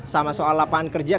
sama soal lapangan kerja